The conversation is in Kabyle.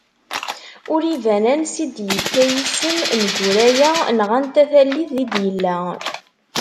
Ur iban ansi d-yekka yisem n Guraya neɣ anta tallit i d-yella.